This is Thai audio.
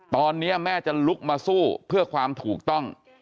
ตอนนี้แม่จะลุกมาสู้เพื่อความถูกต้อง